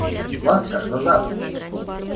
Ласка, назад!